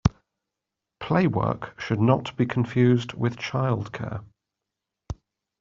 Playwork should not be confused with childcare.